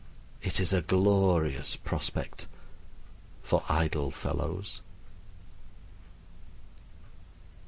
It is a glorious prospect for idle fellows.